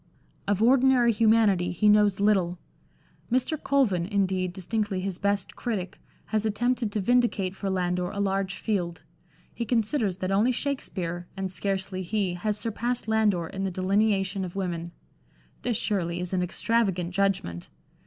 Of ordinary humanity he knows little. Mr. Colvin, indeed, distinctly his best critic, has attempted to vindicate for Landor a large field ; he considers that only Shakspere, and scarcely he, has surpassed Landor in the delineation of women. This, surely, is an extravagant judgment.